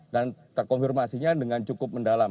dan terkonfirmasinya dengan cukup mendalam